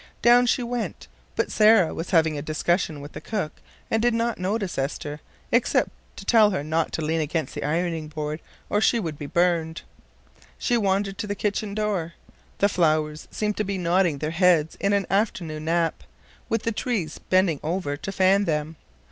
Down she went, but Sarah was having a discussion with the cook, and did not notice Esther, except to tell her not to lean against the ironing board or she would be burned. She wandered to the kitchen door. The flowers seemed to be nodding their heads in an afternoon nap, with the trees bending over to fan them.